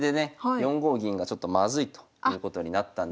４五銀がちょっとまずいということになったんで。